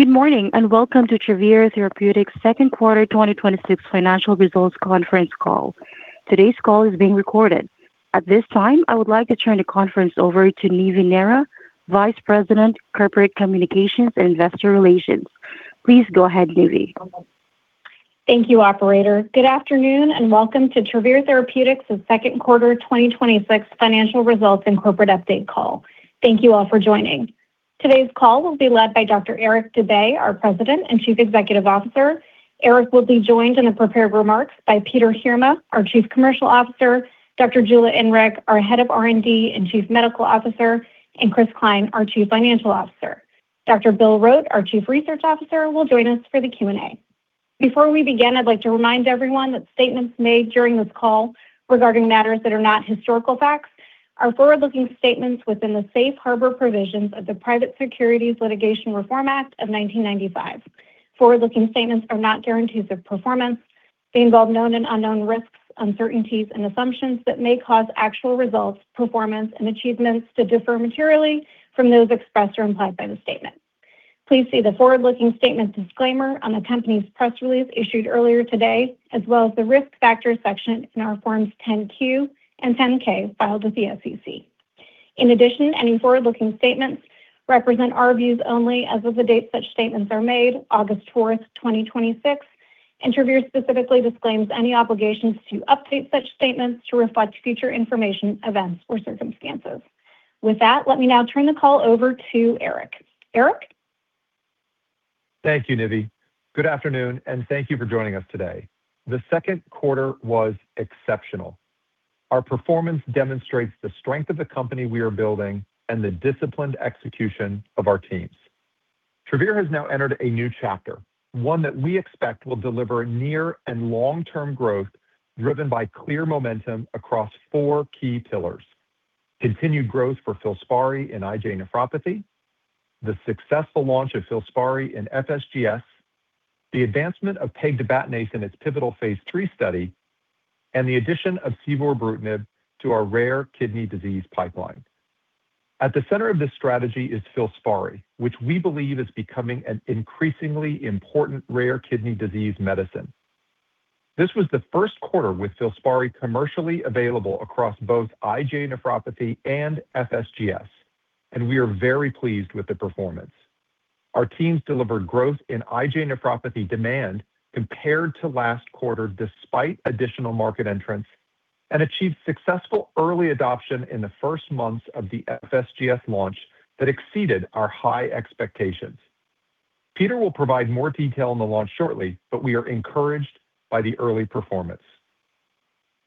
Good morning, welcome to Travere Therapeutics' second quarter 2026 financial results conference call. Today's call is being recorded. At this time, I would like to turn the conference over to Nivi Nehra, Vice President, Corporate Communications and Investor Relations. Please go ahead, Nivi. Thank you, operator. Good afternoon, welcome to Travere Therapeutics' second quarter 2026 financial results and corporate update call. Thank you all for joining. Today's call will be led by Dr. Eric Dube, our President and Chief Executive Officer. Eric will be joined in the prepared remarks by Peter Heerma, our Chief Commercial Officer, Dr. Jula Inrig, our Head of R&D and Chief Medical Officer, Chris Cline, our Chief Financial Officer. Dr. William Rote, our Chief Research Officer, will join us for the Q&A. Before we begin, I'd like to remind everyone that statements made during this call regarding matters that are not historical facts are forward-looking statements within the safe harbor provisions of the Private Securities Litigation Reform Act of 1995. Forward-looking statements are not guarantees of performance. They involve known and unknown risks, uncertainties, and assumptions that may cause actual results, performance, and achievements to differ materially from those expressed or implied by the statement. Please see the forward-looking statements disclaimer on the company's press release issued earlier today, as well as the Risk Factors section in our Forms 10-Q and Form 10-K filed with the SEC. In addition, any forward-looking statements represent our views only as of the date such statements are made, August 4th, 2026, and Travere specifically disclaims any obligations to update such statements to reflect future information, events, or circumstances. With that, let me now turn the call over to Eric. Eric? Thank you, Nivi. Good afternoon, thank you for joining us today. The second quarter was exceptional. Our performance demonstrates the strength of the company we are building and the disciplined execution of our teams. Travere has now entered a new chapter, one that we expect will deliver near and long-term growth driven by clear momentum across four key pillars. Continued growth for FILSPARI in IgA nephropathy, the successful launch of FILSPARI in FSGS, the advancement of pegtibatinase in its pivotal phase III study, and the addition of civorebrutinib to our rare kidney disease pipeline. At the center of this strategy is FILSPARI, which we believe is becoming an increasingly important rare kidney disease medicine. This was the first quarter with FILSPARI commercially available across both IgA nephropathy and FSGS, we are very pleased with the performance. Our teams delivered growth in IgA nephropathy demand compared to last quarter, despite additional market entrants, and achieved successful early adoption in the first months of the FSGS launch that exceeded our high expectations. Peter will provide more detail on the launch shortly, but we are encouraged by the early performance.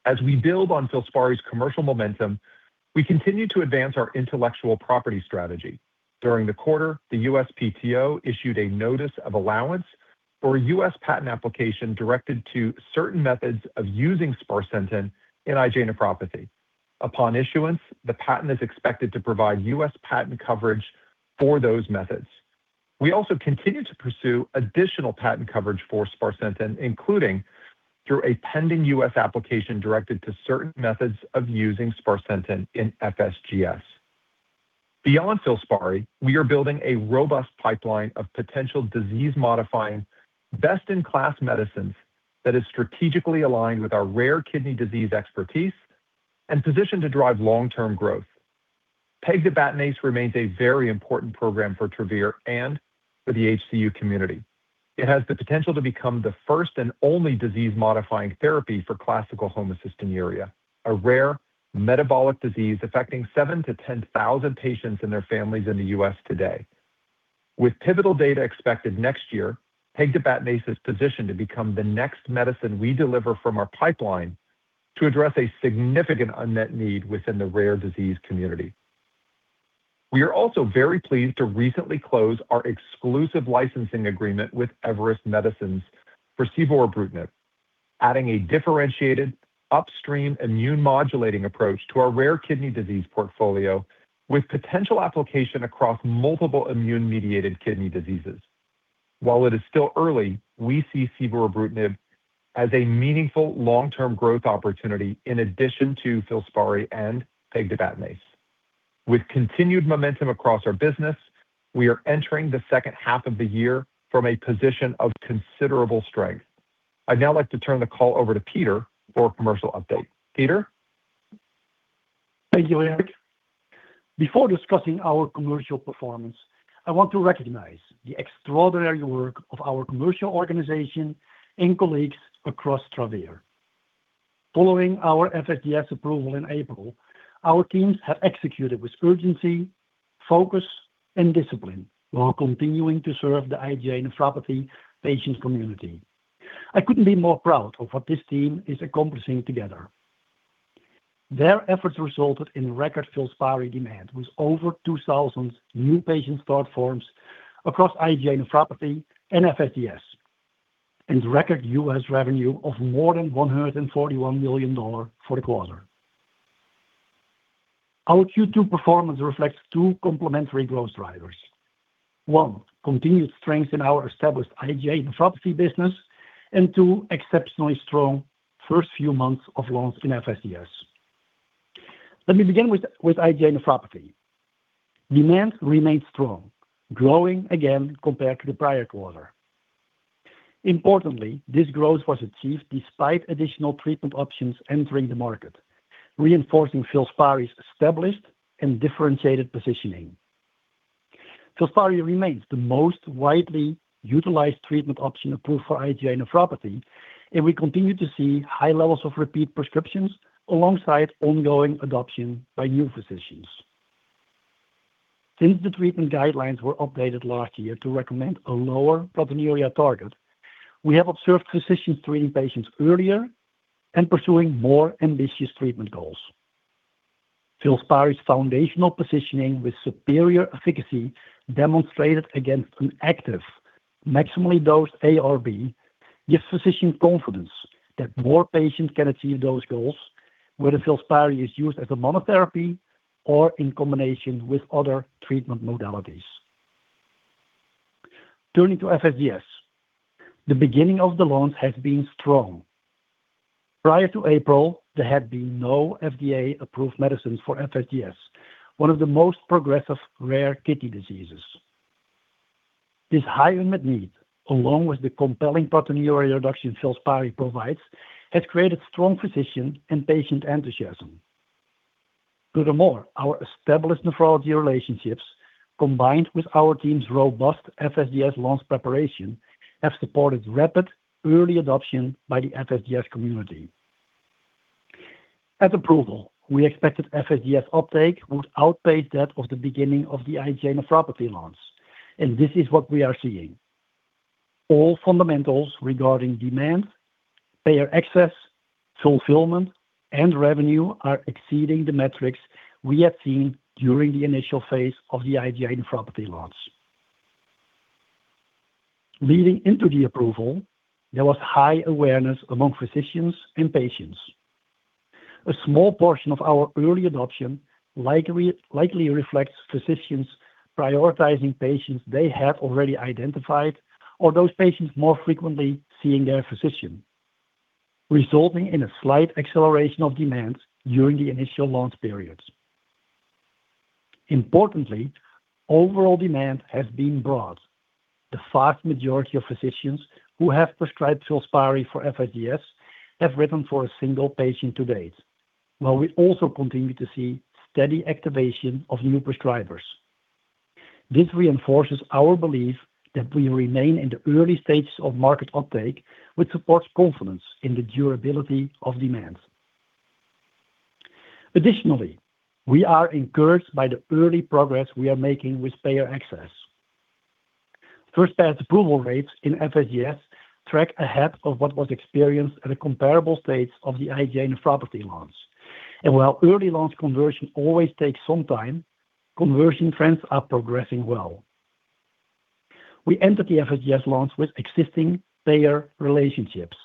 As we build on FILSPARI's commercial momentum, we continue to advance our intellectual property strategy. During the quarter, the USPTO issued a notice of allowance for a U.S. patent application directed to certain methods of using sparsentan in IgA nephropathy. Upon issuance, the patent is expected to provide U.S. patent coverage for those methods. We also continue to pursue additional patent coverage for sparsentan, including through a pending U.S. application directed to certain methods of using sparsentan in FSGS. Beyond FILSPARI, we are building a robust pipeline of potential disease-modifying, best-in-class medicines that is strategically aligned with our rare kidney disease expertise and positioned to drive long-term growth. pegtibatinase remains a very important program for Travere and for the HCU community. It has the potential to become the first and only disease-modifying therapy for classical homocystinuria, a rare metabolic disease affecting 7,000-10,000 patients and their families in the U.S. today. With pivotal data expected next year, pegtibatinase is positioned to become the next medicine we deliver from our pipeline to address a significant unmet need within the rare disease community. We are also very pleased to recently close our exclusive licensing agreement with Everest Medicines for civorebrutinib, adding a differentiated upstream immune-modulating approach to our rare kidney disease portfolio with potential application across multiple immune-mediated kidney diseases. While it is still early, we see civorebrutinib as a meaningful long-term growth opportunity in addition to FILSPARI and pegtibatinase. With continued momentum across our business, we are entering the second half of the year from a position of considerable strength. I'd now like to turn the call over to Peter for a commercial update. Peter? Thank you, Eric. Before discussing our commercial performance, I want to recognize the extraordinary work of our commercial organization and colleagues across Travere. Following our FSGS approval in April, our teams have executed with urgency, focus, and discipline while continuing to serve the IgA nephropathy patient community. I couldn't be more proud of what this team is accomplishing together. Their efforts resulted in record FILSPARI demand, with over 2,000 new patient start forms across IgA nephropathy and FSGS, and record U.S. revenue of more than $141 million for the quarter. Our Q2 performance reflects two complementary growth drivers. One, continued strength in our established IgA nephropathy business, and two, exceptionally strong first few months of launch in FSGS. Let me begin with IgA nephropathy. Demand remains strong, growing again compared to the prior quarter. Importantly, this growth was achieved despite additional treatment options entering the market, reinforcing FILSPARI's established and differentiated positioning. FILSPARI remains the most widely utilized treatment option approved for IgA nephropathy, and we continue to see high levels of repeat prescriptions alongside ongoing adoption by new physicians. Since the treatment guidelines were updated last year to recommend a lower proteinuria target, we have observed physicians treating patients earlier and pursuing more ambitious treatment goals. FILSPARI's foundational positioning with superior efficacy demonstrated against an active maximally dosed ARB, gives physicians confidence that more patients can achieve those goals, whether FILSPARI is used as a monotherapy or in combination with other treatment modalities. Turning to FSGS. The beginning of the launch has been strong. Prior to April, there had been no FDA-approved medicines for FSGS, one of the most progressive rare kidney diseases. This high unmet need, along with the compelling proteinuria reduction FILSPARI provides, has created strong physician and patient enthusiasm. Furthermore, our established nephrology relationships, combined with our team's robust FSGS launch preparation, have supported rapid early adoption by the FSGS community. At approval, we expected FSGS uptake would outpace that of the beginning of the IgA nephropathy launch, and this is what we are seeing. All fundamentals regarding demand, payer access, fulfillment, and revenue are exceeding the metrics we have seen during the initial phase of the IgA nephropathy launch. Leading into the approval, there was high awareness among physicians and patients. A small portion of our early adoption likely reflects physicians prioritizing patients they have already identified or those patients more frequently seeing their physician, resulting in a slight acceleration of demands during the initial launch periods. Importantly, overall demand has been broad. The vast majority of physicians who have prescribed FILSPARI for FSGS have written for a single patient to date, while we also continue to see steady activation of new prescribers. This reinforces our belief that we remain in the early stages of market uptake, which supports confidence in the durability of demand. Additionally, we are encouraged by the early progress we are making with payer access. First pass approval rates in FSGS track ahead of what was experienced at the comparable stage of the IgA nephropathy launch. While early launch conversion always takes some time, conversion trends are progressing well. We entered the FSGS launch with existing payer relationships,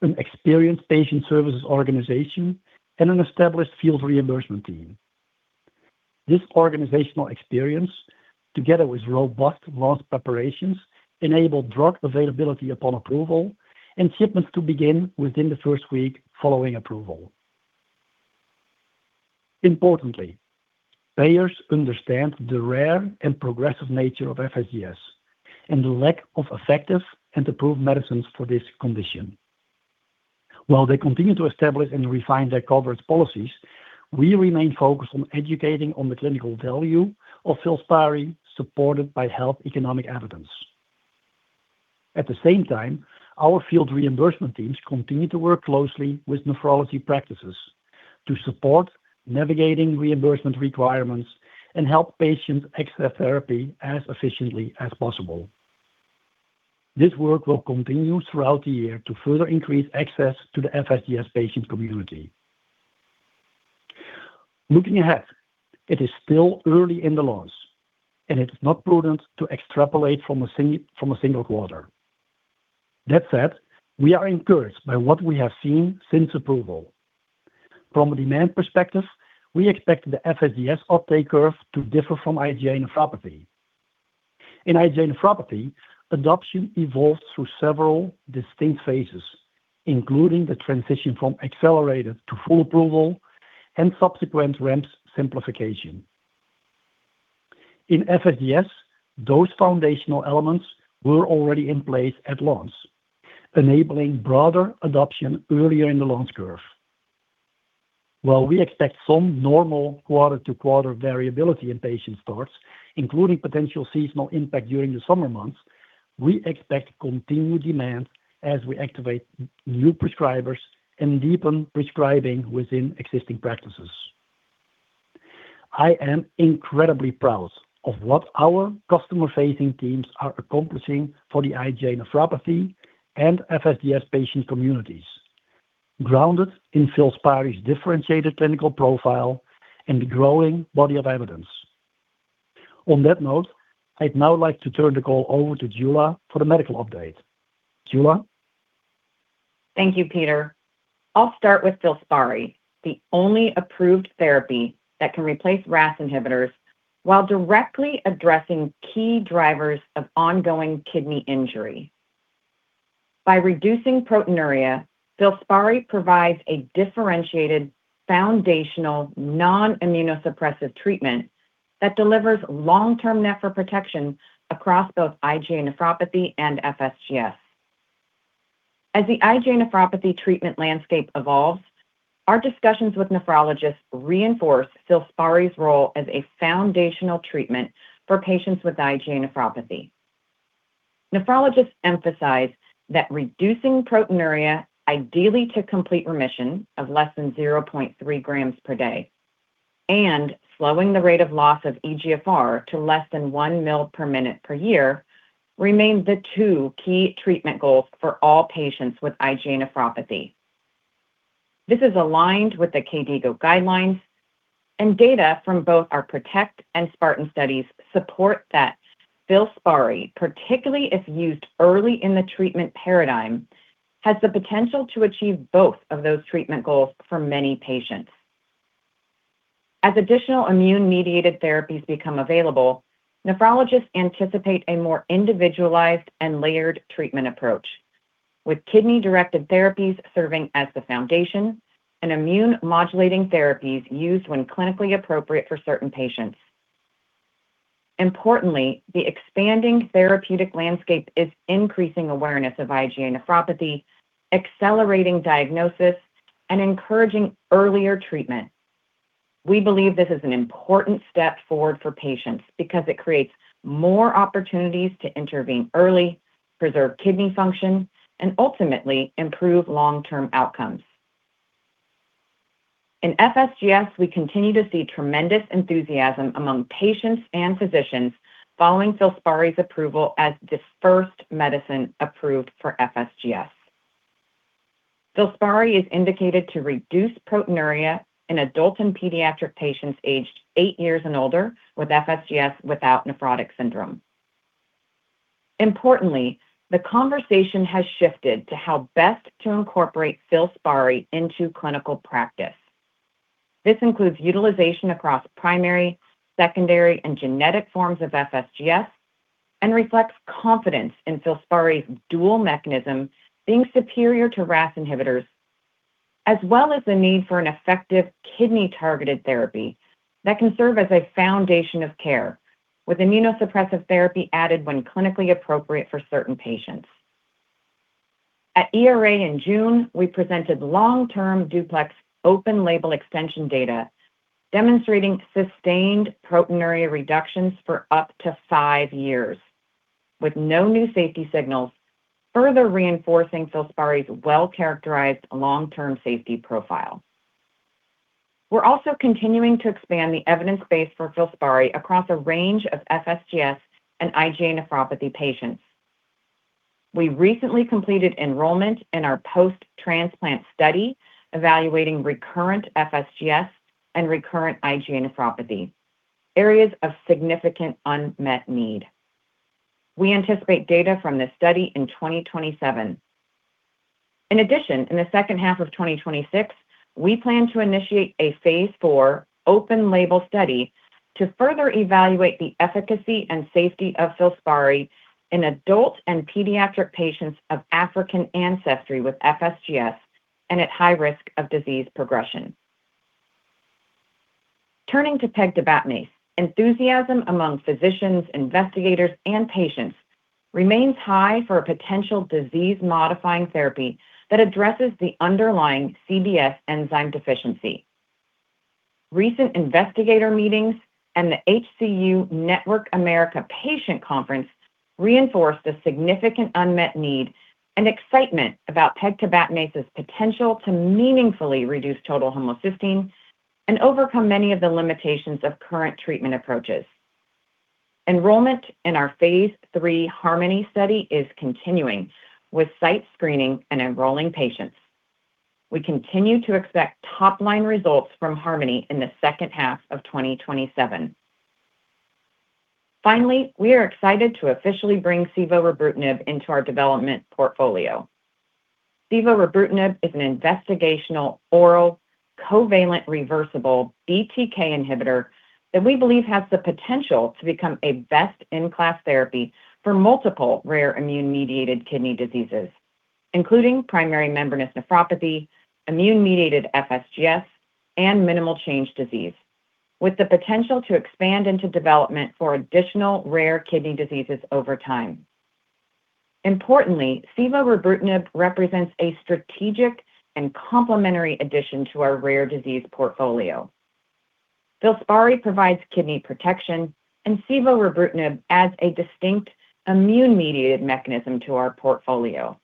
an experienced patient services organization, and an established field reimbursement team. This organizational experience, together with robust launch preparations, enabled drug availability upon approval, and shipments to begin within the first week following approval. Importantly, payers understand the rare and progressive nature of FSGS and the lack of effective and approved medicines for this condition. While they continue to establish and refine their coverage policies, we remain focused on educating on the clinical value of FILSPARI, supported by health economic evidence. At the same time, our field reimbursement teams continue to work closely with nephrology practices to support navigating reimbursement requirements and help patients access therapy as efficiently as possible. This work will continue throughout the year to further increase access to the FSGS patient community. Looking ahead, it is still early in the launch, it's not prudent to extrapolate from a single quarter. That said, we are encouraged by what we have seen since approval. From a demand perspective, we expect the FSGS uptake curve to differ from IgA nephropathy. In IgA nephropathy, adoption evolved through several distinct phases, including the transition from accelerated to full approval and subsequent REMS simplification. In FSGS, those foundational elements were already in place at launch, enabling broader adoption earlier in the launch curve. While we expect some normal quarter-to-quarter variability in patient starts, including potential seasonal impact during the summer months, we expect continued demand as we activate new prescribers and deepen prescribing within existing practices. I am incredibly proud of what our customer-facing teams are accomplishing for the IgA nephropathy and FSGS patient communities, grounded in FILSPARI's differentiated clinical profile and the growing body of evidence. On that note, I'd now like to turn the call over to Jula for the medical update. Jula? Thank you, Peter. I'll start with FILSPARI, the only approved therapy that can replace RAS inhibitors while directly addressing key drivers of ongoing kidney injury. By reducing proteinuria, FILSPARI provides a differentiated foundational non-immunosuppressive treatment that delivers long-term nephroprotection across both IgA nephropathy and FSGS. As the IgA nephropathy treatment landscape evolves, our discussions with nephrologists reinforce FILSPARI's role as a foundational treatment for patients with IgA nephropathy. Nephrologists emphasize that reducing proteinuria ideally to complete remission of less than 0.3 grams per day, slowing the rate of loss of eGFR to less than one ml per minute per year remains the two key treatment goals for all patients with IgA nephropathy. This is aligned with the KDIGO guidelines and data from both our PROTECT and SPARTAN studies support that FILSPARI, particularly if used early in the treatment paradigm, has the potential to achieve both of those treatment goals for many patients. As additional immune-mediated therapies become available, nephrologists anticipate a more individualized and layered treatment approach, with kidney-directed therapies serving as the foundation and immune modulating therapies used when clinically appropriate for certain patients. Importantly, the expanding therapeutic landscape is increasing awareness of IgA nephropathy, accelerating diagnosis, and encouraging earlier treatment. We believe this is an important step forward for patients because it creates more opportunities to intervene early, preserve kidney function, and ultimately improve long-term outcomes. In FSGS, we continue to see tremendous enthusiasm among patients and physicians following FILSPARI's approval as the first medicine approved for FSGS. FILSPARI is indicated to reduce proteinuria in adult and pediatric patients aged eight years and older with FSGS without nephrotic syndrome. Importantly, the conversation has shifted to how best to incorporate FILSPARI into clinical practice. This includes utilization across primary, secondary, and genetic forms of FSGS and reflects confidence in FILSPARI's dual mechanism being superior to RAS inhibitors, as well as the need for an effective kidney-targeted therapy that can serve as a foundation of care with immunosuppressive therapy added when clinically appropriate for certain patients. At ERA in June, we presented long-term DUPLEX open-label extension data demonstrating sustained proteinuria reductions for up to five years with no new safety signals, further reinforcing FILSPARI's well-characterized long-term safety profile. We are also continuing to expand the evidence base for FILSPARI across a range of FSGS and IgA nephropathy patients. We recently completed enrollment in our post-transplant study evaluating recurrent FSGS and recurrent IgA nephropathy, areas of significant unmet need. We anticipate data from this study in 2027. In addition, in the second half of 2026, we plan to initiate a phase IV open-label study to further evaluate the efficacy and safety of FILSPARI in adult and pediatric patients of African ancestry with FSGS and at high risk of disease progression. Turning to pegtibatinase, enthusiasm among physicians, investigators, and patients remains high for a potential disease-modifying therapy that addresses the underlying CBS enzyme deficiency. Recent investigator meetings and the HCU Network America Patient Conference reinforced a significant unmet need and excitement about pegtibatinase's potential to meaningfully reduce total homocysteine and overcome many of the limitations of current treatment approaches. Enrollment in our phase III HARMONY study is continuing, with site screening and enrolling patients. We continue to expect top-line results from HARMONY in the second half of 2027. Finally, we are excited to officially bring civorebrutinib into our development portfolio. civorebrutinib is an investigational oral covalent reversible BTK inhibitor that we believe has the potential to become a best-in-class therapy for multiple rare immune-mediated kidney diseases, including primary membranous nephropathy, immune-mediated FSGS, and minimal change disease, with the potential to expand into development for additional rare kidney diseases over time. Importantly, civorebrutinib represents a strategic and complementary addition to our rare disease portfolio. FILSPARI provides kidney protection, and civorebrutinib adds a distinct immune-mediated mechanism to our portfolio.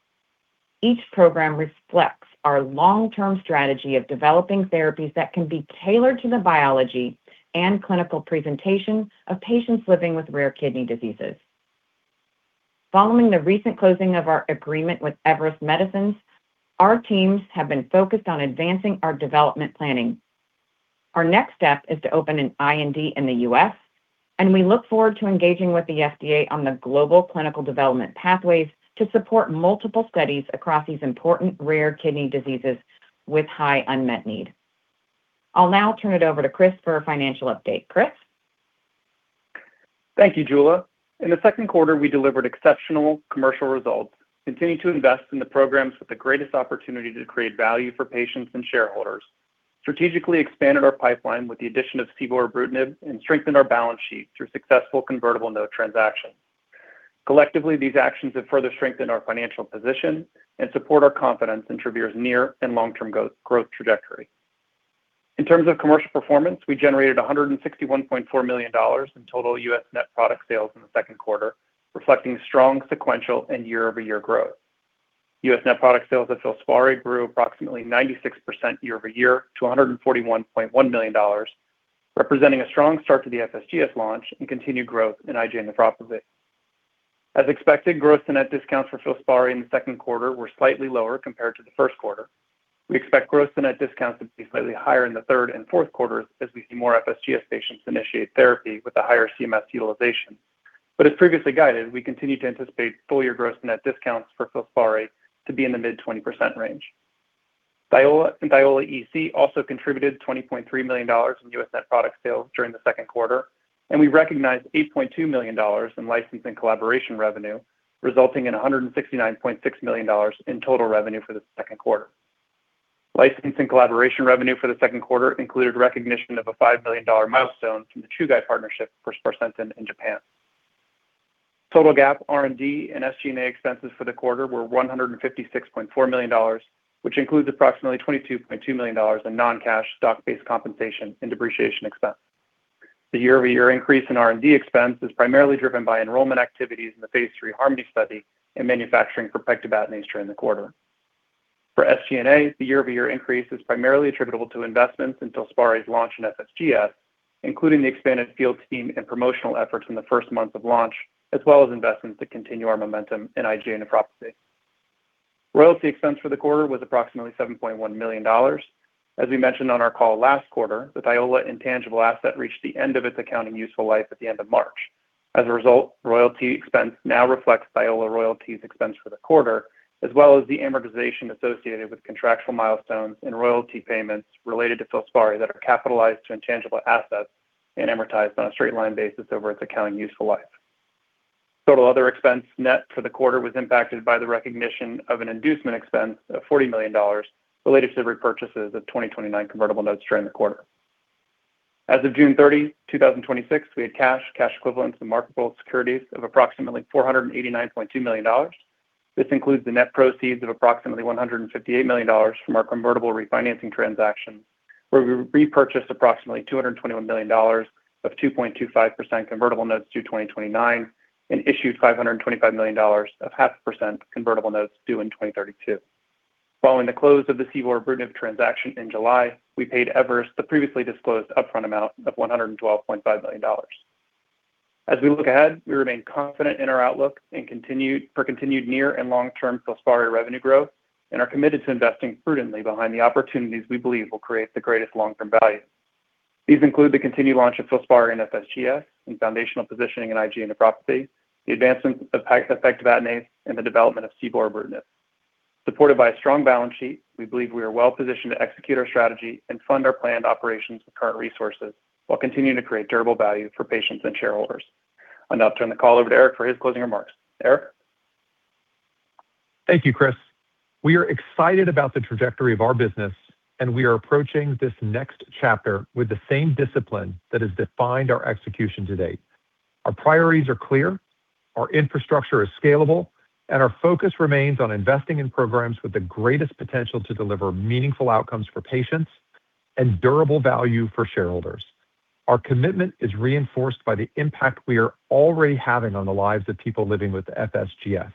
Each program reflects our long-term strategy of developing therapies that can be tailored to the biology and clinical presentation of patients living with rare kidney diseases. Following the recent closing of our agreement with Everest Medicines, our teams have been focused on advancing our development planning. Our next step is to open an IND in the U.S., and we look forward to engaging with the FDA on the global clinical development pathways to support multiple studies across these important rare kidney diseases with high unmet need. I'll now turn it over to Chris for a financial update. Chris? Thank you, Jula. In the second quarter, we delivered exceptional commercial results, continued to invest in the programs with the greatest opportunity to create value for patients and shareholders, strategically expanded our pipeline with the addition of civorebrutinib, and strengthened our balance sheet through successful convertible note transaction. Collectively, these actions have further strengthened our financial position and support our confidence in Travere's near and long-term growth trajectory. In terms of commercial performance, we generated $161.4 million in total U.S. net product sales in the second quarter, reflecting strong sequential and year-over-year growth. U.S. net product sales at FILSPARI grew approximately 96% year-over-year to $141.1 million, representing a strong start to the FSGS launch and continued growth in IgA nephropathy. As expected, gross and net discounts for FILSPARI in the second quarter were slightly lower compared to the first quarter. We expect gross and net discounts to be slightly higher in the third and fourth quarters as we see more FSGS patients initiate therapy with the higher CMS utilization. But as previously guided, we continue to anticipate full-year gross net discounts for FILSPARI to be in the mid 20% range. Thiola EC also contributed $20.3 million in U.S. net product sales during the second quarter, and we recognized $8.2 million in licensing collaboration revenue, resulting in $169.6 million in total revenue for the second quarter. Licensing collaboration revenue for the second quarter included recognition of a $5 million milestone from the Chugai partnership for sparsentan in Japan. Total GAAP, R&D and SG&A expenses for the quarter were $156.4 million, which includes approximately $22.2 million in non-cash stock-based compensation and depreciation expense. The year-over-year increase in R&D expense is primarily driven by enrollment activities in the Phase III HARMONY study and manufacturing for pegtibatinase during the quarter. For SG&A, the year-over-year increase is primarily attributable to investments in FILSPARI's launch in FSGS, including the expanded field team and promotional efforts in the first month of launch, as well as investments to continue our momentum in IgA nephropathy. Royalty expense for the quarter was approximately $7.1 million. As we mentioned on our call last quarter, the Thiola intangible asset reached the end of its accounting useful life at the end of March. As a result, royalty expense now reflects Thiola royalties expense for the quarter, as well as the amortization associated with contractual milestones and royalty payments related to FILSPARI that are capitalized to intangible assets and amortized on a straight line basis over its accounting useful life. Total other expense net for the quarter was impacted by the recognition of an inducement expense of $40 million related to the repurchases of 2029 convertible notes during the quarter. As of June 30, 2026, we had cash equivalents, and marketable securities of approximately $489.2 million. This includes the net proceeds of approximately $158 million from our convertible refinancing transaction, where we repurchased approximately $221 million of 2.25% convertible notes due 2029 and issued $525 million of half percent convertible notes due in 2032. Following the close of the civorebrutinib transaction in July, we paid Everest the previously disclosed upfront amount of $112.5 million. As we look ahead, we remain confident in our outlook for continued near and long-term FILSPARI revenue growth and are committed to investing prudently behind the opportunities we believe will create the greatest long-term value. These include the continued launch of FILSPARI in FSGS and foundational positioning in IgA nephropathy, the advancement of pegtibatinase, and the development of civorebrutinib. Supported by a strong balance sheet, we believe we are well-positioned to execute our strategy and fund our planned operations with current resources while continuing to create durable value for patients and shareholders. I'll now turn the call over to Eric for his closing remarks. Eric? Thank you, Chris. We are excited about the trajectory of our business. We are approaching this next chapter with the same discipline that has defined our execution to date. Our priorities are clear, our infrastructure is scalable. Our focus remains on investing in programs with the greatest potential to deliver meaningful outcomes for patients and durable value for shareholders. Our commitment is reinforced by the impact we are already having on the lives of people living with FSGS.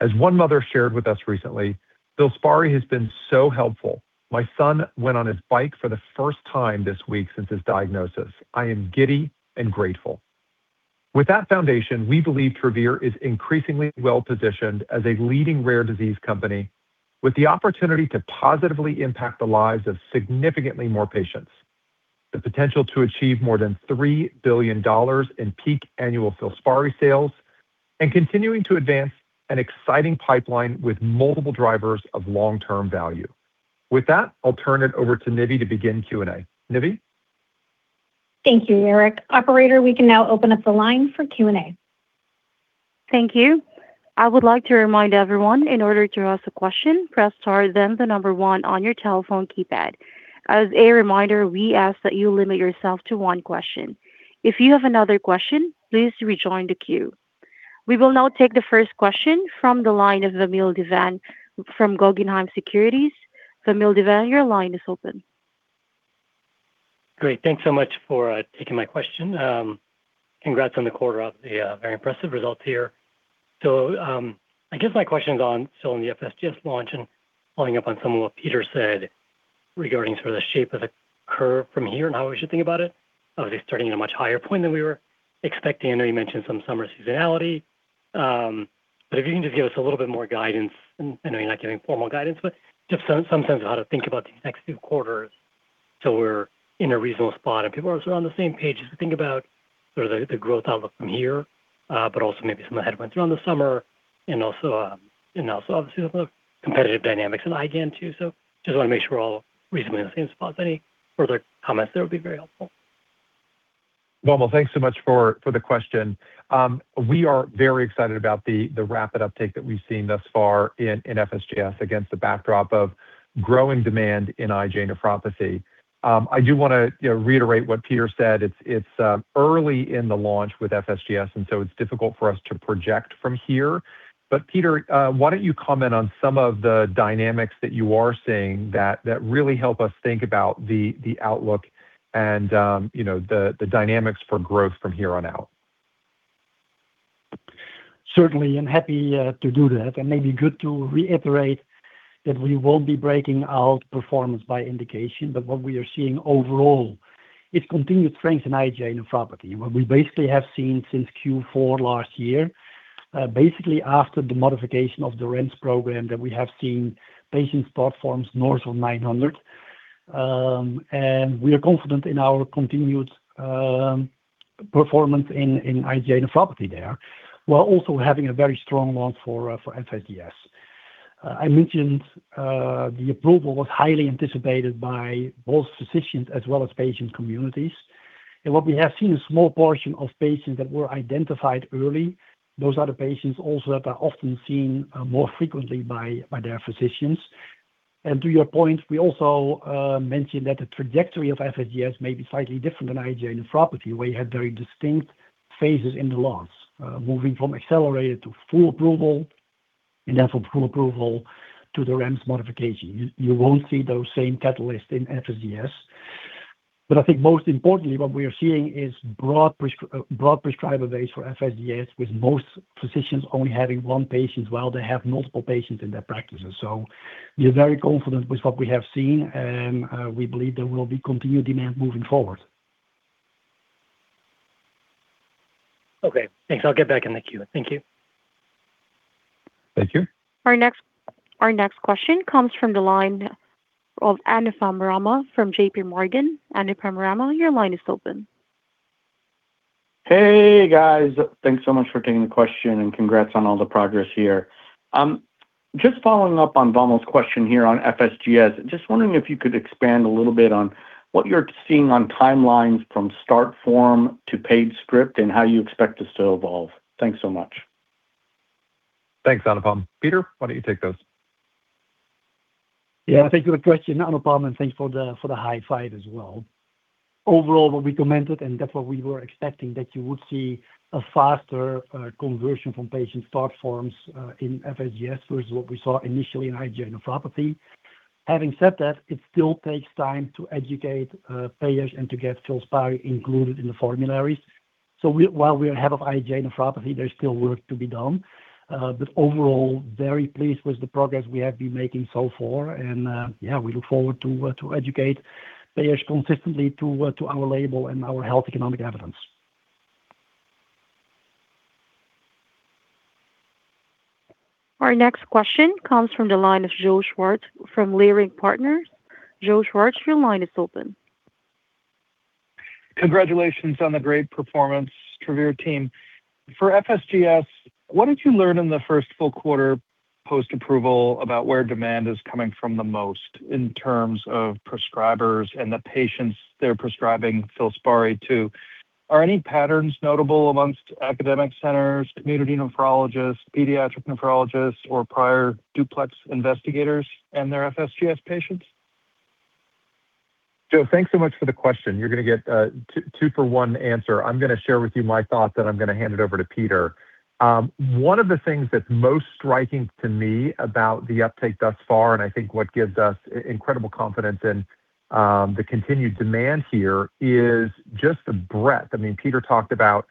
As one mother shared with us recently, "FILSPARI has been so helpful. My son went on his bike for the first time this week since his diagnosis. I am giddy and grateful." With that foundation, we believe Travere is increasingly well-positioned as a leading rare disease company with the opportunity to positively impact the lives of significantly more patients, the potential to achieve more than $3 billion in peak annual FILSPARI sales, continuing to advance an exciting pipeline with multiple drivers of long-term value. With that, I'll turn it over to Nivi to begin Q&A. Nivi? Thank you, Eric. Operator, we can now open up the line for Q&A. Thank you. I would like to remind everyone, in order to ask a question, press star, then the number one on your telephone keypad. As a reminder, we ask that you limit yourself to one question. If you have another question, please rejoin the queue. We will now take the first question from the line of Vamil Divan from Guggenheim Securities. Vamil Divan, your line is open. Great. Thanks so much for taking my question. Congrats on the quarter. Very impressive results here. I guess my question is on still on the FSGS launch and following up on some of what Peter said regarding sort of the shape of the curve from here and how we should think about it. Obviously starting at a much higher point than we were expecting. I know you mentioned some summer seasonality. If you can just give us a little bit more guidance, and I know you're not giving formal guidance, just some sense of how to think about these next few quarters so we're in a reasonable spot and people are sort of on the same page as we think about sort of the growth outlook from here. Also maybe some of the headwinds around the summer. Also, obviously, the competitive dynamics in IgA too. Just want to make sure we're all reasonably in the same spot. Any further comments there would be very helpful. Vamil, thanks so much for the question. We are very excited about the rapid uptake that we've seen thus far in FSGS against the backdrop of growing demand in IgA nephropathy. I do want to reiterate what Peter said. It's early in the launch with FSGS, and so it's difficult for us to project from here. Peter, why don't you comment on some of the dynamics that you are seeing that really help us think about the outlook and the dynamics for growth from here on out? Certainly, happy to do that. Maybe good to reiterate that we won't be breaking out performance by indication. What we are seeing overall, it continued strength in IgA nephropathy, what we basically have seen since Q4 last year. Basically, after the modification of the REMS program that we have seen Patient Start Form north of 900. We are confident in our continued performance in IgA nephropathy there, while also having a very strong launch for FSGS. I mentioned the approval was highly anticipated by both physicians as well as patient communities. What we have seen, a small portion of patients that were identified early, those are the patients also that are often seen more frequently by their physicians. To your point, we also mentioned that the trajectory of FSGS may be slightly different than IgA nephropathy, where you had very distinct phases in the launch, moving from accelerated to full approval, then from full approval to the REMS modification. You won't see those same catalysts in FSGS. I think most importantly, what we are seeing is broad prescriber base for FSGS, with most physicians only having one patient while they have multiple patients in their practices. We are very confident with what we have seen, we believe there will be continued demand moving forward. Okay, thanks. I'll get back in the queue. Thank you. Thank you. Our next question comes from the line of Anupam Rama from JPMorgan. Anupam Rama, your line is open. Hey, guys. Thanks so much for taking the question, and congrats on all the progress here. Just following up on Vamil's question here on FSGS, just wondering if you could expand a little bit on what you're seeing on timelines from start form to paid script and how you expect this to evolve. Thanks so much. Thanks, Anupam. Peter, why don't you take this? Yeah. Thank you for the question, Anupam, and thanks for the high five as well. Overall, what we commented, and that's what we were expecting, that you would see a faster conversion from patient start forms in FSGS versus what we saw initially in IgA nephropathy. While we are ahead of IgA nephropathy, there's still work to be done. Overall, very pleased with the progress we have been making so far. Yeah, we look forward to educate payers consistently to our label and our health economic evidence. Our next question comes from the line of Joe Schwartz from Leerink Partners. Joe Schwartz, your line is open. Congratulations on the great performance, Travere team. For FSGS, what did you learn in the first full quarter post-approval about where demand is coming from the most in terms of prescribers and the patients they're prescribing FILSPARI to? Are any patterns notable amongst academic centers, community nephrologists, pediatric nephrologists, or prior DUPLEX investigators and their FSGS patients? Joe, thanks so much for the question. You're going to get a two for one answer. I'm going to share with you my thought, then I'm going to hand it over to Peter. One of the things that's most striking to me about the uptake thus far, I think what gives us incredible confidence in the continued demand here, is just the breadth. Peter talked about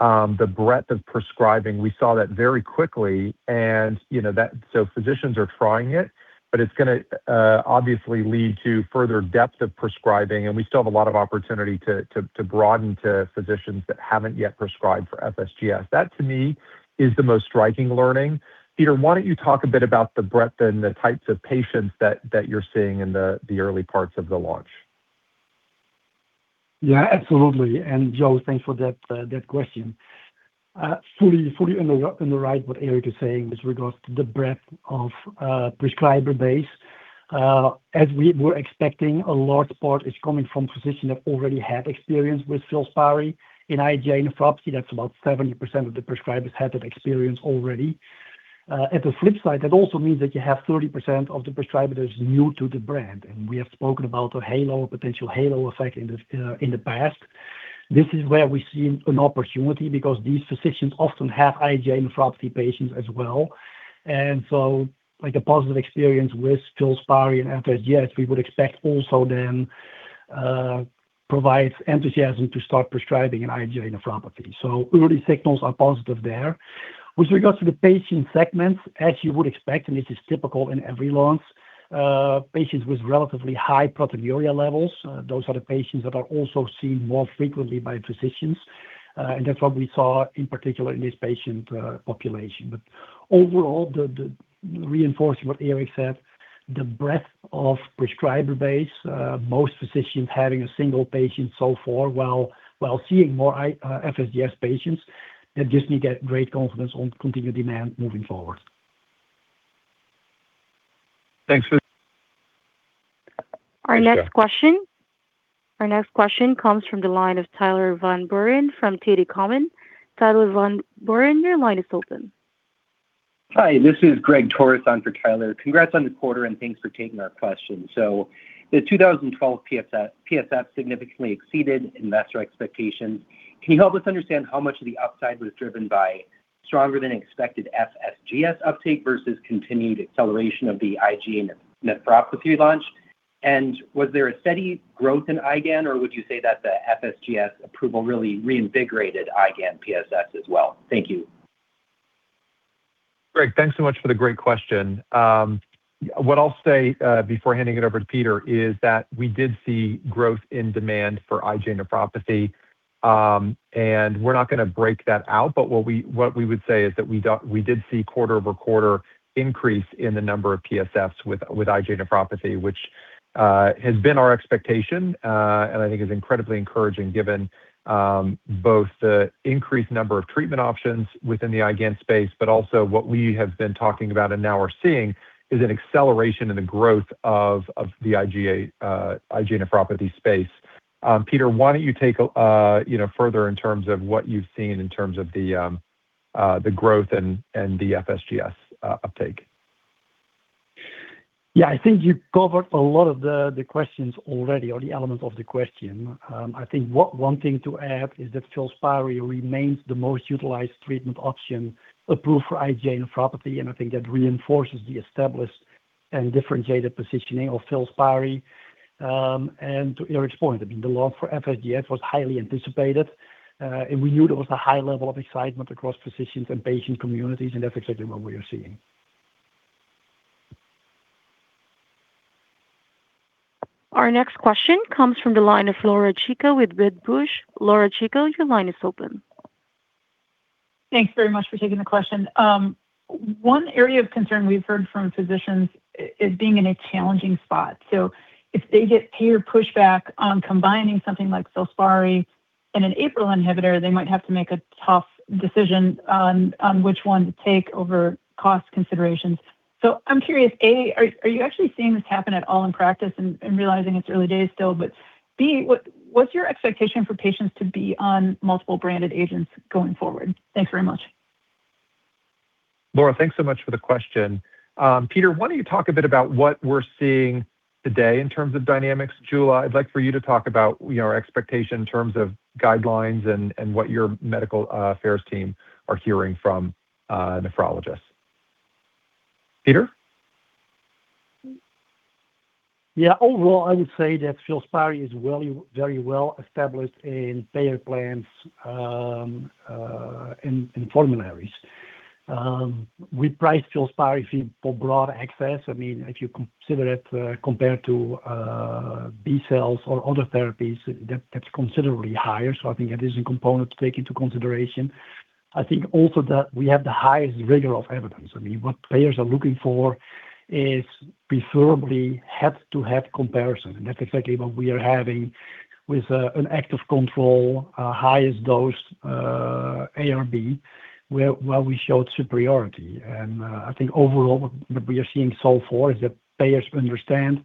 the breadth of prescribing. We saw that very quickly. Physicians are trying it, but it's going to obviously lead to further depth of prescribing, and we still have a lot of opportunity to broaden to physicians that haven't yet prescribed for FSGS. That, to me, is the most striking learning. Peter, why don't you talk a bit about the breadth and the types of patients that you're seeing in the early parts of the launch? Yeah, absolutely. Joe, thanks for that question. Fully in the right what Eric is saying with regards to the breadth of prescriber base. As we were expecting, a large part is coming from physicians that already had experience with FILSPARI. In IgA nephropathy, that's about 70% of the prescribers had that experience already. At the flip side, that also means that you have 30% of the prescribers new to the brand. We have spoken about a potential halo effect in the past. This is where we see an opportunity because these physicians often have IgA nephropathy patients as well. A positive experience with FILSPARI and FSGS, we would expect also then provides enthusiasm to start prescribing in IgA nephropathy. Early signals are positive there. With regards to the patient segments, as you would expect, this is typical in every launch, patients with relatively high proteinuria levels, those are the patients that are also seen more frequently by physicians. That's what we saw in particular in this patient population. Overall, reinforcing what Eric said The breadth of prescriber base, most physicians having a single patient so far while seeing more FSGS patients. They just need that great confidence on continued demand moving forward. Thanks. Our next question comes from the line of Tyler Van Buren from TD Cowen. Tyler Van Buren, your line is open. Hi, this is Greg Torres on for Tyler. Congrats on the quarter and thanks for taking our question. The 2012 PSFs significantly exceeded investor expectations. Can you help us understand how much of the upside was driven by stronger than expected FSGS uptake versus continued acceleration of the IgA nephropathy launch? Was there a steady growth in IgAN or would you say that the FSGS approval really reinvigorated IgAN PSFs as well? Thank you. Greg, thanks so much for the great question. What I'll say, before handing it over to Peter, is that we did see growth in demand for IgA nephropathy, we're not going to break that out. What we would say is that we did see quarter-over-quarter increase in the number of PSFs with IgA nephropathy, which has been our expectation, I think is incredibly encouraging given both the increased number of treatment options within the IgAN space, also what we have been talking about and now are seeing is an acceleration in the growth of the IgA nephropathy space. Peter, why don't you take further in terms of what you've seen in terms of the growth and the FSGS uptake? Yeah, I think you covered a lot of the questions already or the elements of the question. I think one thing to add is that FILSPARI remains the most utilized treatment option approved for IgA nephropathy, and I think that reinforces the established and differentiated positioning of FILSPARI. To your point, the launch for FSGS was highly anticipated, and we knew there was a high level of excitement across physicians and patient communities, that's exactly what we are seeing. Our next question comes from the line of Laura Chico with Wedbush. Laura Chico, your line is open. Thanks very much for taking the question. One area of concern we've heard from physicians is being in a challenging spot. If they get payer pushback on combining something like FILSPARI and an APRIL inhibitor, they might have to make a tough decision on which one to take over cost considerations. I'm curious, A, are you actually seeing this happen at all in practice and realizing it's early days still, B, what's your expectation for patients to be on multiple branded agents going forward? Thanks very much. Laura, thanks so much for the question. Peter, why don't you talk a bit about what we're seeing today in terms of dynamics? Jula, I'd like for you to talk about our expectation in terms of guidelines and what your medical affairs team are hearing from nephrologists. Peter? Yeah. Overall, I would say that FILSPARI is very well established in payer plans and formularies. We priced FILSPARI for broad access. If you consider it, compared to B-cells or other therapies, that's considerably higher. I think it is a component to take into consideration. I think also that we have the highest rigor of evidence. What payers are looking for is preferably head-to-head comparison, and that's exactly what we are having with an active control, highest dosed ARB, where we showed superiority. I think overall what we are seeing so far is that payers understand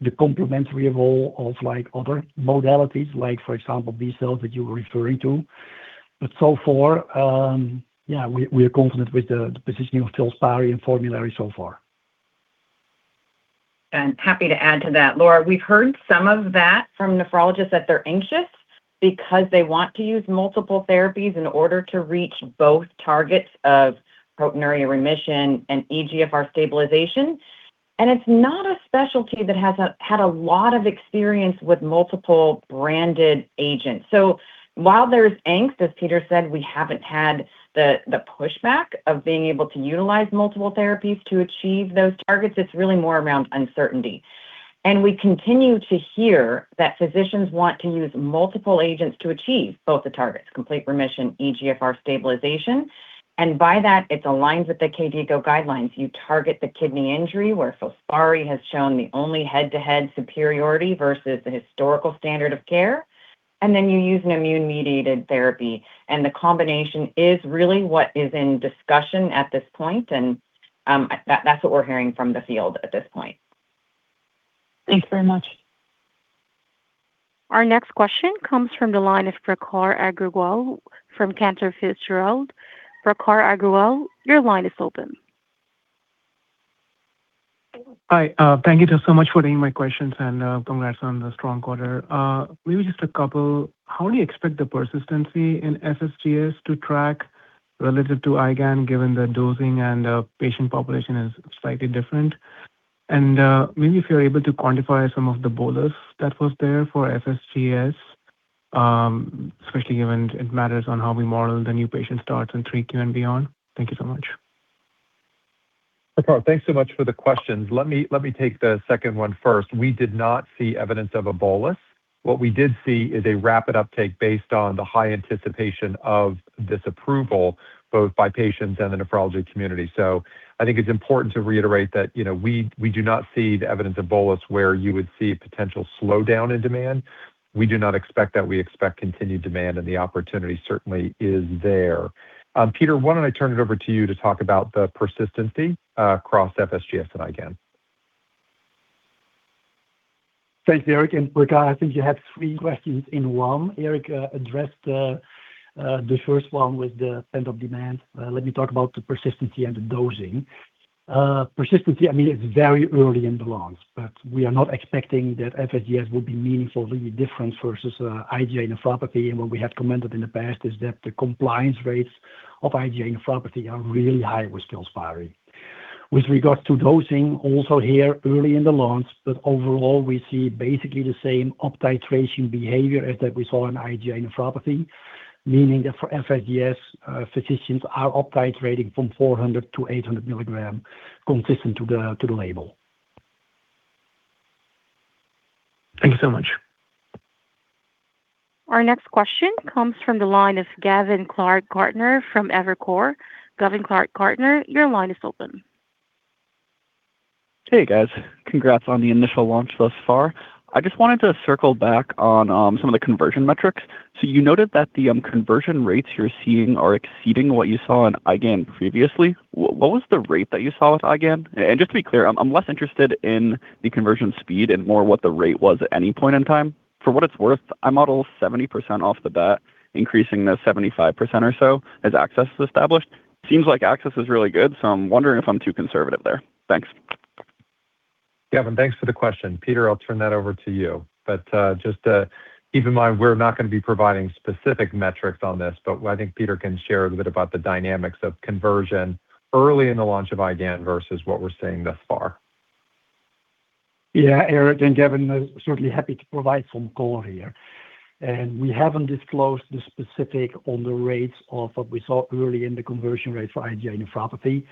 the complementary role of other modalities, like for example, B-cells that you were referring to. So far, yeah, we are confident with the positioning of FILSPARI and formulary so far. Happy to add to that, Laura. We've heard some of that from nephrologists, that they're anxious because they want to use multiple therapies in order to reach both targets of proteinuria remission and eGFR stabilization. It's not a specialty that has had a lot of experience with multiple branded agents. While there's angst, as Peter said, we haven't had the pushback of being able to utilize multiple therapies to achieve those targets. It's really more around uncertainty. We continue to hear that physicians want to use multiple agents to achieve both the targets, complete remission, eGFR stabilization, and by that it aligns with the KDIGO guidelines. You target the kidney injury, where FILSPARI has shown the only head-to-head superiority versus the historical standard of care, then you use an immune-mediated therapy, the combination is really what is in discussion at this point, that's what we're hearing from the field at this point. Thanks very much. Our next question comes from the line of Prakhar Agrawal from Cantor Fitzgerald. Prakhar Agrawal, your line is open. Hi. Thank you two so much for taking my questions. Congrats on the strong quarter. Maybe just a couple. How do you expect the persistency in FSGS to track relative to IgAN, given the dosing and patient population is slightly different? Maybe if you're able to quantify some of the bolus that was there for FSGS, especially given it matters on how we model the new patient starts in 3Q and beyond. Thank you so much. Prakhar, thanks so much for the questions. Let me take the second one first. We did not see evidence of a bolus. What we did see is a rapid uptake based on the high anticipation of this approval, both by patients and the nephrology community. I think it's important to reiterate that we do not see the evidence of bolus where you would see a potential slowdown in demand. We do not expect that. We expect continued demand. The opportunity certainly is there. Peter, why don't I turn it over to you to talk about the persistency across FSGS and IgAN? Thanks, Eric. Prakhar, I think you had three questions in one. Eric addressed the first one with the pent-up demand. Let me talk about the persistency and the dosing. Persistency, it's very early in the launch. We are not expecting that FSGS will be meaningfully different versus IgA nephropathy. What we have commented in the past is that the compliance rates of IgA nephropathy are really high with FILSPARI. With regard to dosing, also here early in the launch. Overall, we see basically the same uptitration behavior as that we saw in IgA nephropathy, meaning that for FSGS, physicians are uptitrating from 400 mg-800 mg consistent to the label. Thank you so much. Our next question comes from the line of Gavin Clark Gartner from Evercore. Gavin Clark-Gartner, your line is open. Hey, guys. Congrats on the initial launch thus far. I just wanted to circle back on some of the conversion metrics. You noted that the conversion rates you're seeing are exceeding what you saw in IgAN previously. What was the rate that you saw with IgAN? And just to be clear, I'm less interested in the conversion speed and more what the rate was at any point in time. For what it's worth, I model 70% off the bat, increasing to 75% or so as access is established. Seems like access is really good, so I'm wondering if I'm too conservative there. Thanks. Gavin, thanks for the question. Peter, I'll turn that over to you. Just keep in mind, we're not going to be providing specific metrics on this, but I think Peter can share a little bit about the dynamics of conversion early in the launch of IgAN versus what we're seeing thus far. Eric and Gavin, certainly happy to provide some color here. We haven't disclosed the specific on the rates of what we saw early in the conversion rate for IgA nephropathy.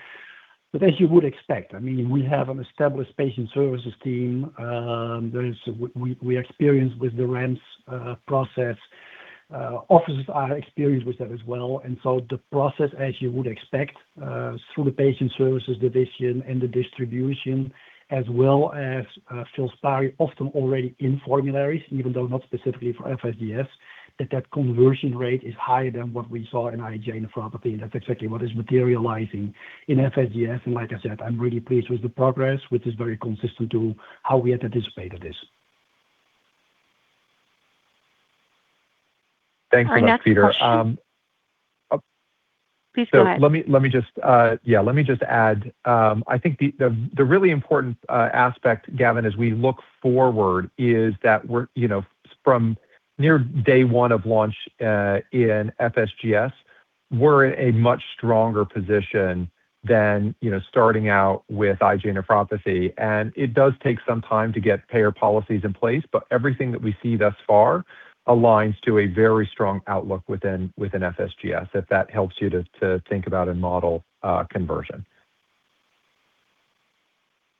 As you would expect, we have an established patient services team. We have experience with the REMS process. Offices are experienced with that as well. The process, as you would expect, through the patient services division and the distribution, as well as FILSPARI often already in formularies, even though not specifically for FSGS, that that conversion rate is higher than what we saw in IgA nephropathy. That's exactly what is materializing in FSGS. Like I said, I'm really pleased with the progress, which is very consistent to how we had anticipated this. Thanks so much, Peter. Our next question Please go ahead. Let me just add, I think the really important aspect, Gavin, as we look forward is that from near day one of launch in FSGS, we're in a much stronger position than starting out with IgA nephropathy. It does take some time to get payer policies in place, but everything that we see thus far aligns to a very strong outlook within FSGS, if that helps you to think about and model conversion.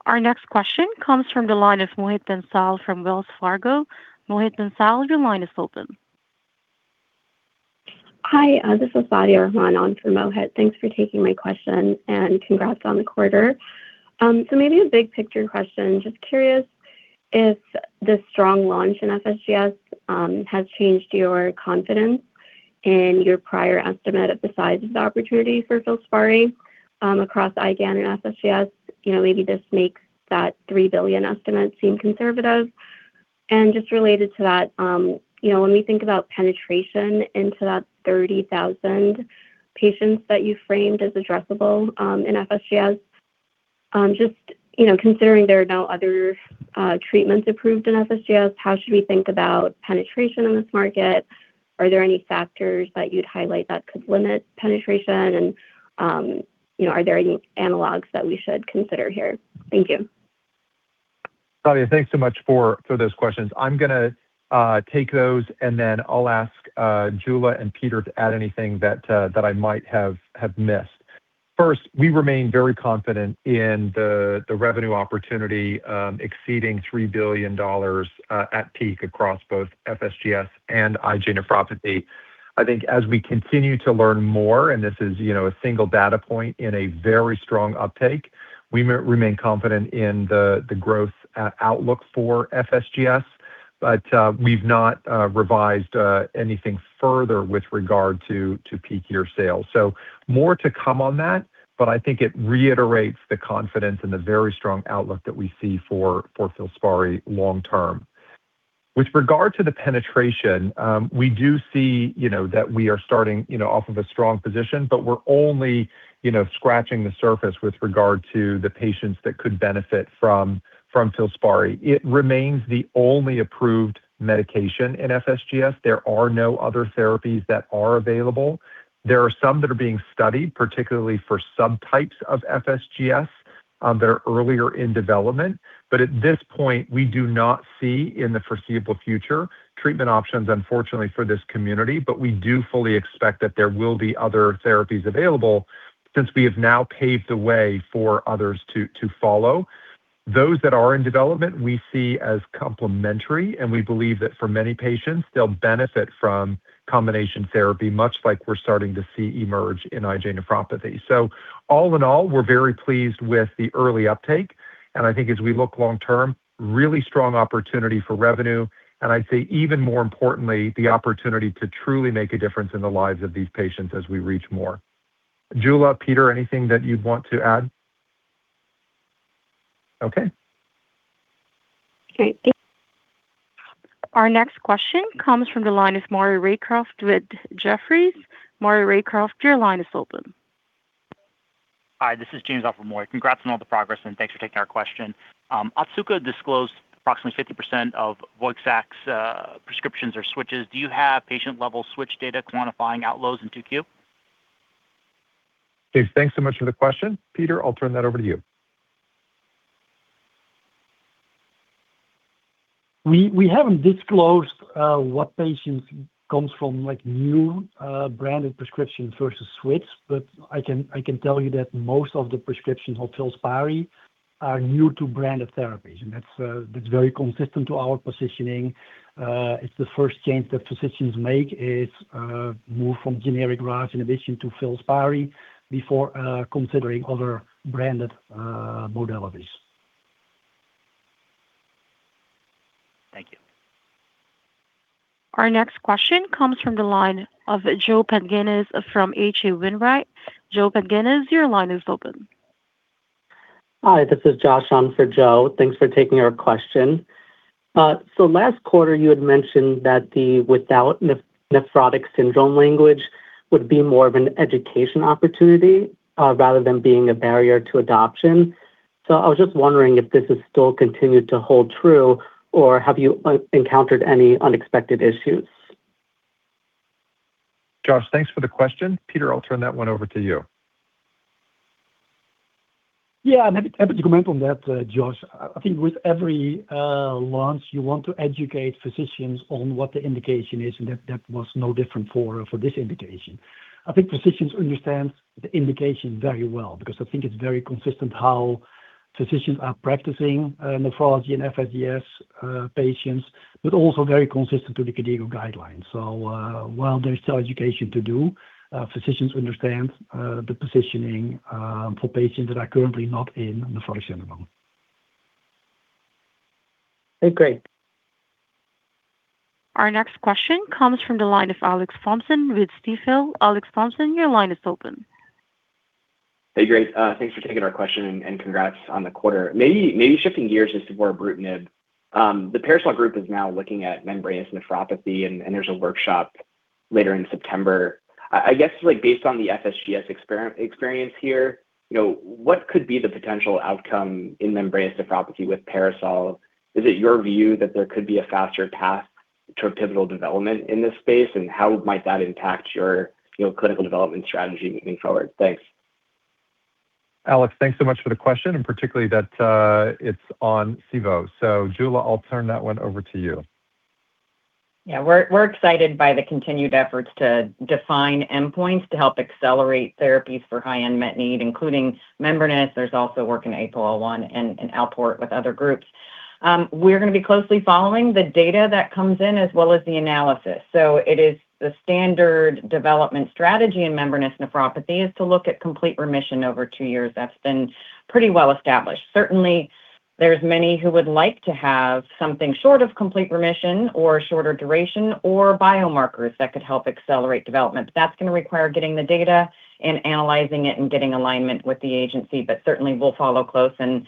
Our next question comes from the line of Mohit Bansal from Wells Fargo. Mohit Bansal, your line is open. Hi, this is Sadia Rahman on for Mohit. Thanks for taking my question, and congrats on the quarter. Maybe a big-picture question. Just curious if this strong launch in FSGS has changed your confidence in your prior estimate of the size of the opportunity for FILSPARI across IgAN and FSGS. Maybe this makes that $3 billion estimate seem conservative. Just related to that, when we think about penetration into that 30,000 patients that you framed as addressable in FSGS, just considering there are no other treatments approved in FSGS, how should we think about penetration in this market? Are there any factors that you'd highlight that could limit penetration? Are there any analogs that we should consider here? Thank you. Sadia, thanks so much for those questions. I'm going to take those, and then I'll ask Jula and Peter to add anything that I might have missed. We remain very confident in the revenue opportunity exceeding $3 billion at peak across both FSGS and IgA nephropathy. I think as we continue to learn more, and this is a single data point in a very strong uptake, we remain confident in the growth outlook for FSGS, but we've not revised anything further with regard to peak year sales. More to come on that, but I think it reiterates the confidence and the very strong outlook that we see for FILSPARI long term. With regard to the penetration, we do see that we are starting off of a strong position, but we're only scratching the surface with regard to the patients that could benefit from FILSPARI. It remains the only approved medication in FSGS. There are no other therapies that are available. There are some that are being studied, particularly for subtypes of FSGS that are earlier in development. At this point, we do not see in the foreseeable future treatment options, unfortunately, for this community. We do fully expect that there will be other therapies available since we have now paved the way for others to follow. Those that are in development, we see as complementary, and we believe that for many patients, they'll benefit from combination therapy, much like we're starting to see emerge in IgA nephropathy. All in all, we're very pleased with the early uptake, and I think as we look long-term, really strong opportunity for revenue, and I'd say even more importantly, the opportunity to truly make a difference in the lives of these patients as we reach more. Jula, Peter, anything that you'd want to add? Okay. Okay. Our next question comes from the line of Maury Raycroft with Jefferies. Maury Raycroft, your line is open. Hi, this is James of for Maury. Congrats on all the progress, and thanks for taking our question. Otsuka disclosed approximately 50% of Voiksa's prescriptions are switches. Do you have patient-level switch data quantifying outflows in 2Q? James, thanks so much for the question. Peter, I'll turn that over to you. We haven't disclosed what patients comes from new branded prescriptions versus switch. I can tell you that most of the prescriptions of FILSPARI are new to branded therapies. That's very consistent to our positioning. It's the first change that physicians make is move from generic RAS inhibition to FILSPARI before considering other branded modalities. Thank you. Our next question comes from the line of Joe Pantginis from H.C. Wainwright. Joe Pantginis, your line is open. Hi, this is Josh on for Joe. Thanks for taking our question. Last quarter you had mentioned that the without nephrotic syndrome language would be more of an education opportunity rather than being a barrier to adoption. I was just wondering if this has still continued to hold true, or have you encountered any unexpected issues? Josh, thanks for the question. Peter, I'll turn that one over to you. Yeah, happy to comment on that, Josh. I think with every launch you want to educate physicians on what the indication is, that was no different for this indication. I think physicians understand the indication very well because I think it's very consistent how physicians are practicing nephrology and FSGS patients, also very consistent to the KDIGO guidelines. While there's still education to do, physicians understand the positioning for patients that are currently not in nephrotic syndrome. Okay, great. Our next question comes from the line of Alex Thompson with Stifel. Alex Thompson, your line is open. Hey, great. Thanks for taking our question. Congrats on the quarter. Maybe shifting gears just to more. The PARASOL Group is now looking at membranous nephropathy, and there's a workshop later in September. I guess based on the FSGS experience here, what could be the potential outcome in membranous nephropathy with PARASOL? Is it your view that there could be a faster path to pivotal development in this space, and how might that impact your clinical development strategy moving forward? Thanks. Alex, thanks so much for the question, particularly that it's on civo. Jula, I'll turn that one over to you. We're excited by the continued efforts to define endpoints to help accelerate therapies for high unmet need, including membranous. There's also work in APOL1 and in Alport with other groups. We're going to be closely following the data that comes in as well as the analysis. It is the standard development strategy in membranous nephropathy is to look at complete remission over two years. That's been pretty well established. Certainly, there's many who would like to have something short of complete remission or shorter duration or biomarkers that could help accelerate development. That's going to require getting the data and analyzing it and getting alignment with the agency. Certainly, we'll follow close and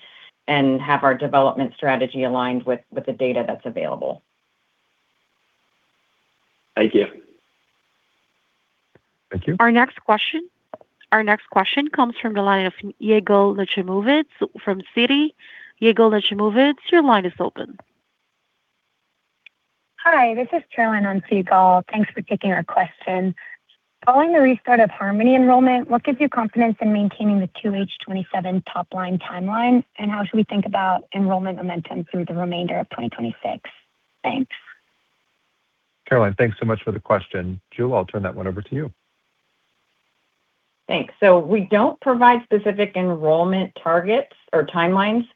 have our development strategy aligned with the data that's available. Thank you. Thank you. Our next question comes from the line of Yigal Nochomovitz from Citi. Yigal Nochomovitz, your line is open. Hi, this is Caroline on for Yigal. Thanks for taking our question. Following the restart of HARMONY enrollment, what gives you confidence in maintaining the 2H 2027 top-line timeline, and how should we think about enrollment momentum through the remainder of 2026? Thanks. Caroline, thanks so much for the question. Jula, I'll turn that one over to you. Thanks. We don't provide specific enrollment targets or timelines,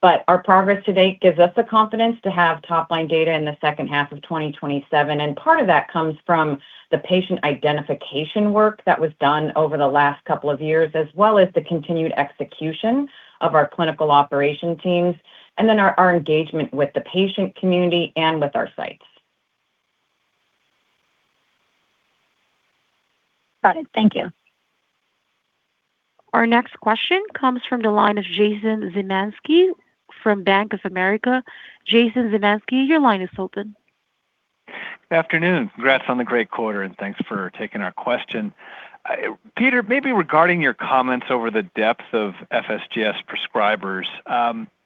but our progress to date gives us the confidence to have top-line data in the second half of 2027, and part of that comes from the patient identification work that was done over the last couple of years as well as the continued execution of our clinical operation teams, our engagement with the patient community and with our sites. Got it. Thank you. Our next question comes from the line of Jason Szymanski from Bank of America. Jason Szymanski, your line is open. Afternoon. Congrats on the great quarter, and thanks for taking our question. Peter, maybe regarding your comments over the depth of FSGS prescribers,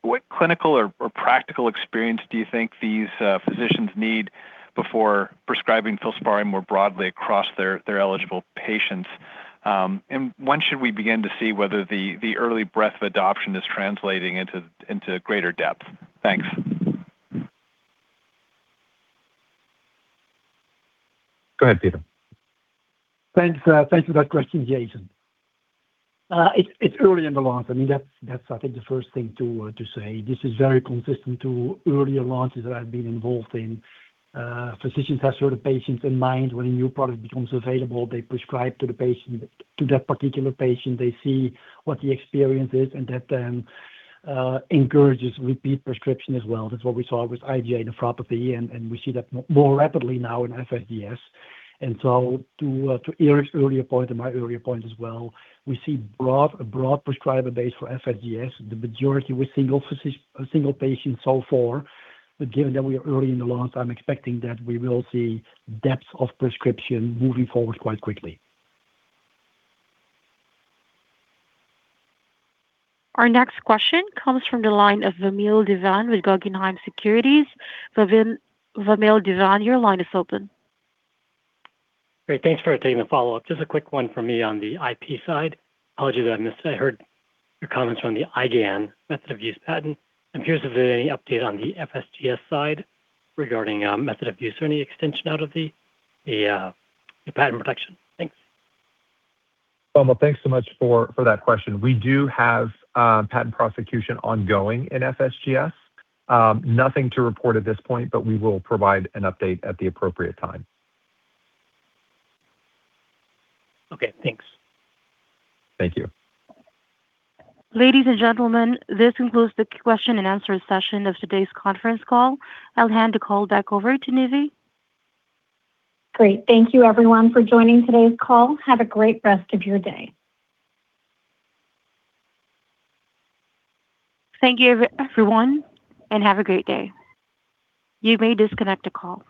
what clinical or practical experience do you think these physicians need before prescribing FILSPARI more broadly across their eligible patients? When should we begin to see whether the early breadth of adoption is translating into greater depth? Thanks. Go ahead, Peter. Thanks for that question, Jason. It's early in the launch. That's, I think, the first thing to say. This is very consistent to earlier launches that I've been involved in. Physicians have certain patients in mind when a new product becomes available. They prescribe to that particular patient. They see what the experience is, and that then encourages repeat prescription as well. That's what we saw with IgA nephropathy, and we see that more rapidly now in FSGS. So to Eric's earlier point, and my earlier point as well, we see a broad prescriber base for FSGS, the majority with single patients so far. Given that we are early in the launch, I'm expecting that we will see depth of prescription moving forward quite quickly. Our next question comes from the line of Vamil Divan with Guggenheim Securities. Vamil Divan, your line is open. Great. Thanks for taking the follow-up. Just a quick one from me on the IP side. Apologies if I missed it. I heard your comments on the IgAN method of use patent. I'm curious if there are any update on the FSGS side regarding method of use or any extension out of the patent protection. Thanks. Vamil, thanks so much for that question. We do have patent prosecution ongoing in FSGS. Nothing to report at this point, but we will provide an update at the appropriate time. Okay, thanks. Thank you. Ladies and gentlemen, this concludes the question and answer session of today's conference call. I'll hand the call back over to Nivi. Great. Thank you everyone for joining today's call. Have a great rest of your day. Thank you everyone, have a great day. You may disconnect the call.